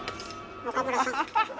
岡村さん。